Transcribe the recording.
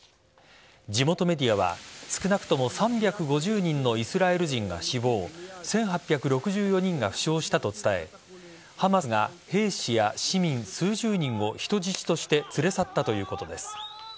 地元メディアは少なくとも３５０人のイスラエル人が死亡１８６４人が負傷したと伝えハマスが兵士や市民、数十人を人質として連れ去ったということです。